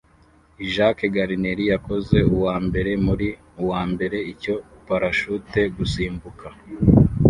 Jacques Garnerin yakoze uwambere muri uwambere icyo Parashute Gusimbuka